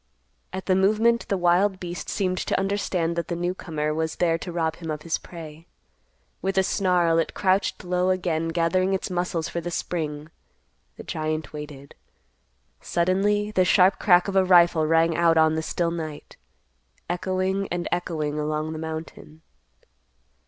At the movement the wild beast seemed to understand that the newcomer was there to rob him of his prey. With a snarl, it crouched low again, gathering its muscles for the spring. The giant waited. Suddenly the sharp crack of a rifle rang out on the still night, echoing and echoing along the mountain.